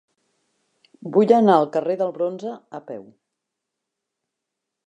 Vull anar al carrer del Bronze a peu.